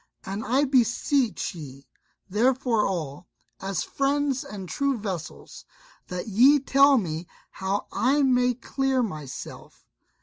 And I beseech ye therefore all, as friends and true vassals, that ye tell me how I may clear myself."